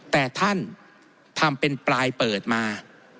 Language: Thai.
แต่ท่านทำเป็นปลายเปิดมา